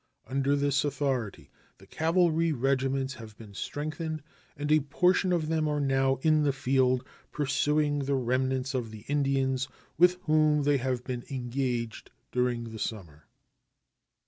Under this authority the cavalry regiments have been strengthened, and a portion of them are now in the field pursuing the remnants of the Indians with whom they have been engaged during the summer.